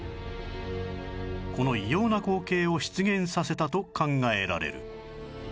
この異様な光景を出現させたと考えられる